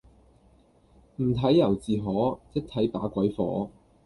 唔睇由自可,一睇把鬼火